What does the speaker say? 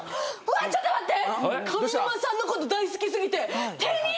ちょっと待って！